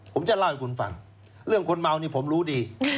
ผมจะเล่าให้คุณฟังเรื่องคนเมานี่ผมรู้ดี